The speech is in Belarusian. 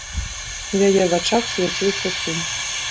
У яе вачах свяціўся сум.